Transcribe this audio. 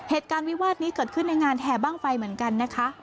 เหตุการณ์วิวาสนี้เกิดขึ้นในงานแห่บ้างไฟเหมือนกันนะคะ